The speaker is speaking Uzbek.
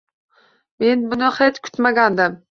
Men buni hech kutmagandim.